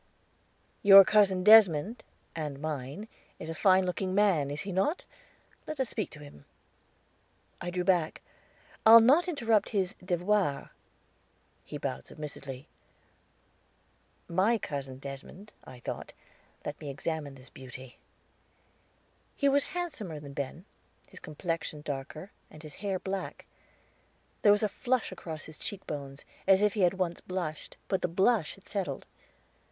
"Your Cousin Desmond, and mine, is a fine looking man, is he not? Let us speak to him." I drew back. "I'll not interrupt his devoir." He bowed submissively. "My cousin Desmond," I thought; "let me examine this beauty." He was handsomer than Ben, his complexion darker, and his hair black. There was a flush across his cheek bones, as if he had once blushed, and the blush had settled.